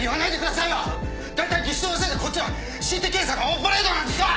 だいたい技師長のせいでこっちはＣＴ検査のオンパレードなんですよ！